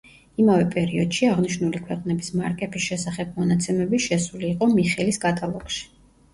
იმავე პერიოდში, აღნიშნული ქვეყნების მარკების შესახებ მონაცემები შესული იყო მიხელის კატალოგში.